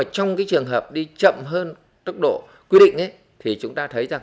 trong trường hợp đi chậm hơn tốc độ quy định thì chúng ta thấy rằng